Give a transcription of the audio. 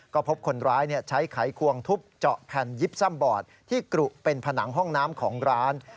ก็พบคนร้ายใช้ไขควงทุบเจาะแผ่นยิบซ่ำบอดที่กรุเป็นผนังห้องน้ำของร้าน